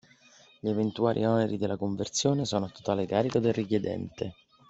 Gli eventuali oneri della conversione sono a totale carico del richiedente.